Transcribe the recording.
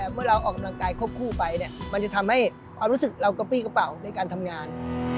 เมื่อเราออกกำลังกายควบคู่ไปมันจะทำให้ความรู้สึกเรากระปี้กระเป๋าในการทำงาน